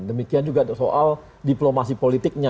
demikian juga soal diplomasi politiknya